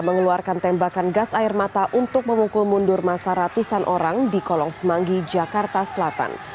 mengeluarkan tembakan gas air mata untuk memukul mundur masa ratusan orang di kolong semanggi jakarta selatan